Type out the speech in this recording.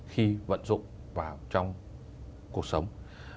khi vận dụng vào trong cuộc sống